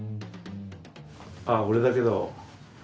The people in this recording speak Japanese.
あぁ俺だけど。